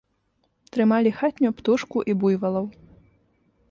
Трымалі хатнюю птушку і буйвалаў.